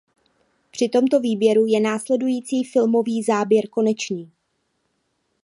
Při tomto výběru je následující filmový záběr konečný.